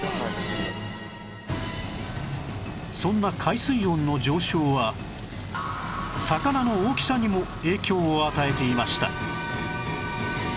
そんな海水温の上昇は魚の大きさにも影響を与えていました